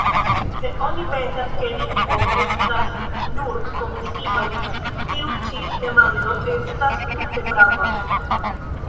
Se oni pensas, ke lingvo estas nur komunikilo, tiu ĉi demando estas tute prava.